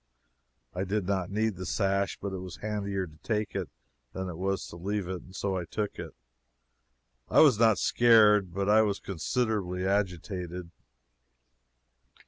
I did not need the sash, but it was handier to take it than it was to leave it, and so I took it. I was not scared, but I was considerably agitated.